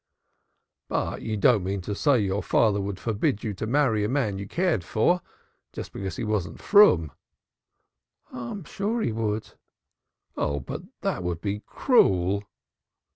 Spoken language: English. "But you don't mean to say your father would forbid you to marry a man you cared for, just because he wasn't froom?" "I'm sure he would." "But that would be cruel."